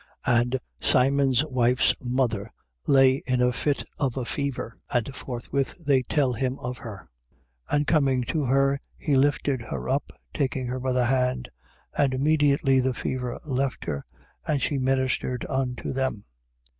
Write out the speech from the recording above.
1:30. And Simon's wife's mother lay in a fit of a fever: and forthwith they tell him of her. 1:31. And coming to her, he lifted her up, taking her by the hand; and immediately the fever left her, and she ministered unto them.